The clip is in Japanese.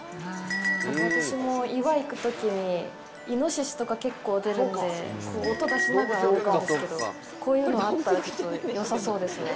私も、岩へ行くときに、イノシシとか結構出るんで、音を出しながら歩くんですけど、こういうのがあったら、よさそうですね。